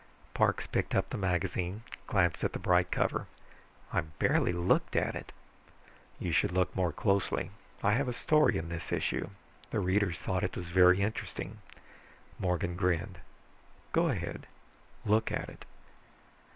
Parks picked up the magazine, glanced at the bright cover. "I barely looked at it." "You should look more closely. I have a story in this issue. The readers thought it was very interesting," Morgan grinned. "Go ahead, look at it."